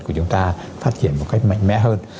của chúng ta phát triển một cách mạnh mẽ hơn